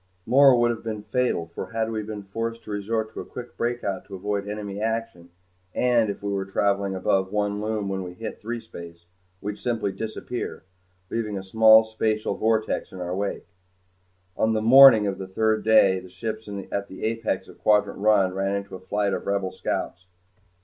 More would have been fatal for had we been forced to resort to a quick breakout to avoid enemy action, and if we were travelling above one Lume when we hit threespace, we'd simply disappear, leaving a small spatial vortex in our wake. On the "morning" of the third day the ships at the apex of Quadrant One ran into a flight of Rebel scouts.